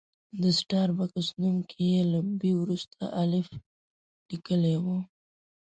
د سټار بکس نوم کې یې له بي وروسته الف لیکلی و.